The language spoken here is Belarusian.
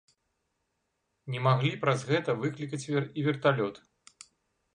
Не маглі праз гэта выклікаць і верталёт.